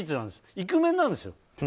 イクメンなんですよ。